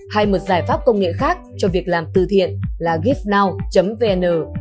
hay một giải pháp công nghệ khác cho việc làm từ thiện là gibnow vn